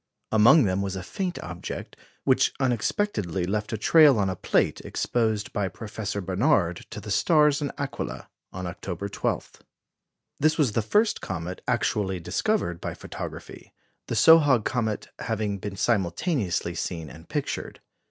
Among them was a faint object, which unexpectedly left a trail on a plate exposed by Professor Barnard to the stars in Aquila on October 12. This was the first comet actually discovered by photography, the Sohag comet having been simultaneously seen and pictured.